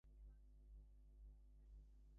Coins were minted in the names of The Twelve Imams.